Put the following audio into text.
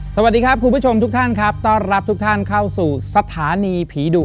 สวัสดีครับคุณผู้ชมทุกท่านครับต้อนรับทุกท่านเข้าสู่สถานีผีดุ